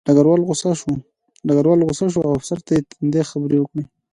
ډګروال غوسه شو او افسر ته یې تندې خبرې وکړې